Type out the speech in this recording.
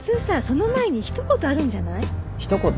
その前にひと言あるんじゃない？ひと言？